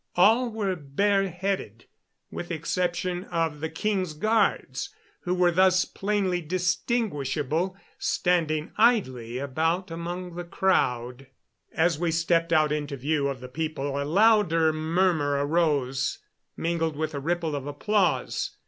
All were bareheaded, with the exception of the king's guards, who were thus plainly distinguishable, standing idly about among the crowd. As we stepped out into view of the people a louder murmur arose, mingled with a ripple of applause.